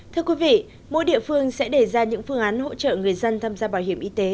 thưa quý vị mỗi địa phương sẽ đề ra những phương án hỗ trợ người dân tham gia bảo hiểm y tế